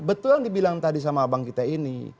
betul yang dibilang tadi sama abang kita ini